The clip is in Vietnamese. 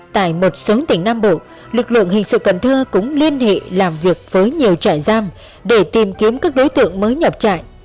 tại một số tỉnh nam bộ lực lượng hình sự cần thơ cũng liên hệ làm việc với nhiều trại giam để tìm kiếm các đối tượng mới nhập trại